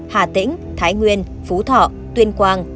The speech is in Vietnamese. hà tĩnh thái nguyên phú thọ tuyên quang